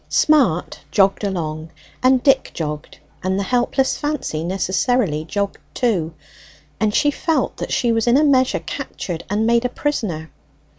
Smart jogged along, and Dick jogged, and the helpless Fancy necessarily jogged, too; and she felt that she was in a measure captured and made a prisoner.